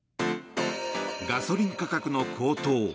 ガソリン価格の高騰。